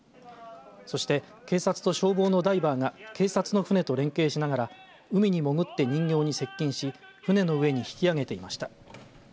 そして、警察と消防のダイバーが警察の船と連携しながら海に潜って人形に接近し船の上に引き上げていました。